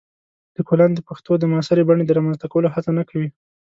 لیکوالان د پښتو د معاصرې بڼې د رامنځته کولو هڅه نه کوي.